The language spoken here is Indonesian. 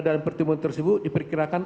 dalam pertemuan tersebut diperkirakan